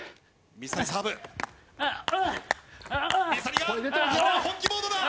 水谷が本気モードだ。